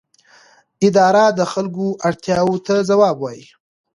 اداره د خلکو اړتیاوو ته ځواب وايي.